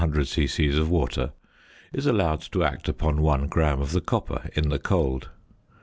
c. of water, is allowed to act upon 1 gram of the copper in the cold.